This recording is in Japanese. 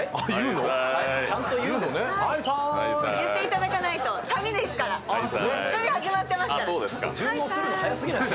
言っていただかないと旅始まってますから。